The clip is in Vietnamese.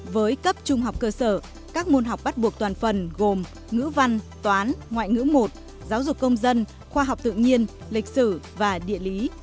với cấp trung học cơ sở các môn học bắt buộc toàn phần gồm ngữ văn toán ngoại ngữ một giáo dục công dân khoa học tự nhiên lịch sử và địa lý